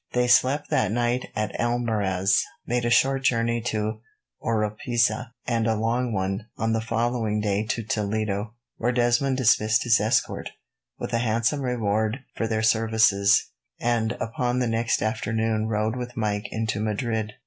They slept that night at Almarez, made a short journey to Oropesa, and a long one on the following day to Toledo, where Desmond dismissed his escort, with a handsome reward for their services, and upon the next afternoon rode with Mike into Madrid.